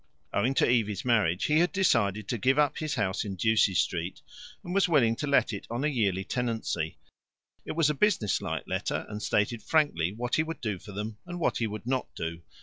Owing to Evie's marriage, he had decided to give up his house in Ducie Street, and was willing to let it on a yearly tenancy. It was a businesslike letter, and stated frankly what he would do for them and what he would not do.